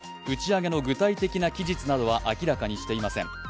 ただ、打ち上げの具体的な期日などは明らかにしていません。